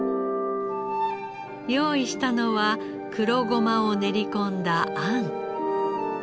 用意したのは黒ゴマを練り込んだ餡。